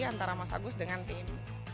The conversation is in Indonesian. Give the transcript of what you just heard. antara mas agus dengan tim